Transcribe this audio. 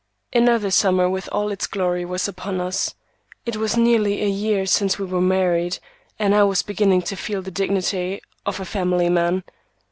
Another summer with all its glory was upon us. It was nearly a year since we were married, and I was beginning to feel the dignity of a family man.